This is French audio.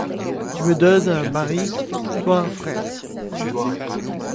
Tu me donnes Marie, toi, frère!